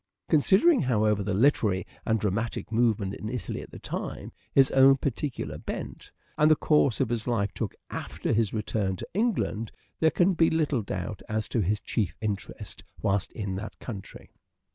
Considering, however, the literary and dramatic movement in Italy at the time, his own particular bent, and the course his life took after his return to England, there can be little doubt as to his chief interest whilst in that country.